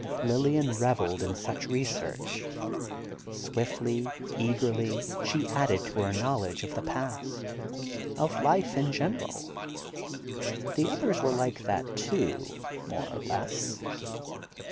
Lillian reveled in such research; swiftly, eagerly, she added to her knowledge of the past, of life in general. The others were like that, too, more or less.